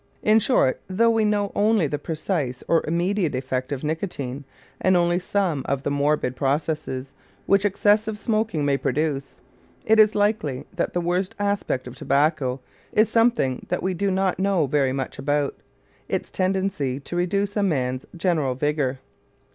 In short, though we know only the precise or immediate effect of nicotine and only some of the morbid processes which excessive smoking may produce, it is likely that the worst aspect of tobacco is something that we do not know very much about its tendency to reduce a man's general vigor.